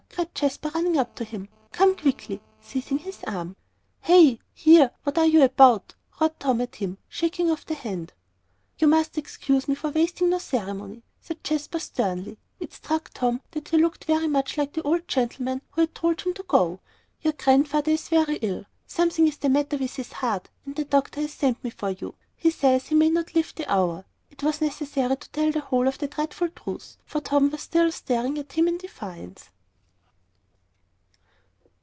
cried Jasper, running up to him. "Come quickly," seizing his arm. "Hey, here, what are you about?" roared Tom at him, shaking off the hand. "You must excuse me for wasting no ceremony," said Jasper, sternly. It struck Tom that he looked very much like the old gentleman who had told him to go! "Your Grandfather is very ill; something is the matter with his heart, and the doctor has sent me for you. He says he may not live an hour." It was necessary to tell the whole of the dreadful truth, for Tom was still staring at him in defiance.